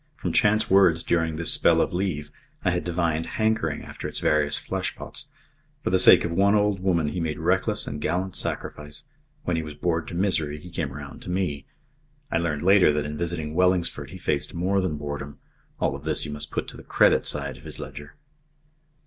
From chance words during this spell of leave, I had divined hankering after its various fleshpots. For the sake of one old woman he made reckless and gallant sacrifice. When he was bored to misery he came round to me. I learned later that in visiting Wellingsford he faced more than boredom. All of this you must put to the credit side of his ledger.